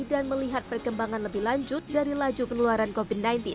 dan melihat perkembangan lebih lanjut dari laju penularan covid sembilan belas